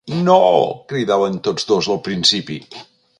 Nooo! —cridaven tots dos, al principi.